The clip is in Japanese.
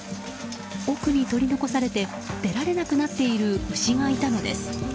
奥に取り残されて出られなくなっている牛がいたのです。